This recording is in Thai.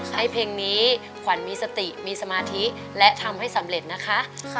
ให้เพลงนี้ขวัญมีสติมีสมาธิและทำให้สำเร็จนะคะ